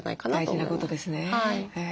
大事なことですね。